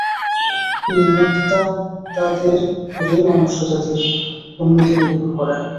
এই মুক্তাত্মাদের উপরেই মনুষ্যজাতির উন্নতি নির্ভর করে।